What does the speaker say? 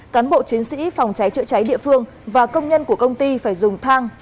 cán bộ chiến sĩ phòng cháy chữa cháy địa phương và công nhân của công ty phải dùng thang